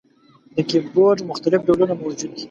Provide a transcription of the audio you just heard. د کیبورډ مختلف ډولونه موجود دي.